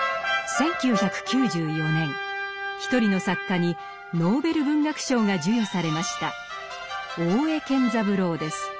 １９９４年一人の作家にノーベル文学賞が授与されました。